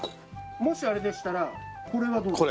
もしあれでしたらこれはどうですか？